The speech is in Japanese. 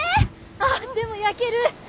あっでも焼ける！